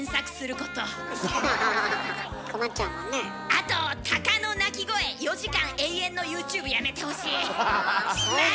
あとタカの鳴き声４時間延々のＹｏｕＴｕｂｅやめてほしい。